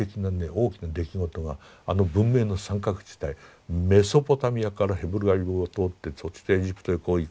大きな出来事があの文明の三角地帯メソポタミアからヘブライを通ってそしてエジプトへこう行く。